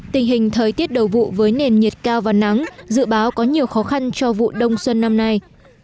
tình hình thời tiết đầu vụ với nền nhiệt cao và nắng dự báo có nhiều khó khăn cho vụ đông xuân năm nay